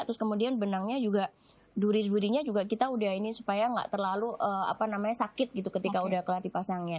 terus kemudian benangnya juga duri durinya juga kita udah ini supaya nggak terlalu sakit gitu ketika udah kelati pasangnya